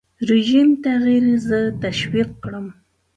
رژیم تغییر زه تشویق کړم.